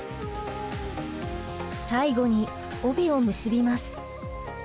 最後に帯を結びます。